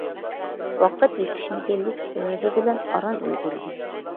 ۋاقىت يېتىشمىگەنلىك سەۋەبى بىلەن ئاران ئۈلگۈردۈم.